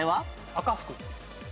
赤福。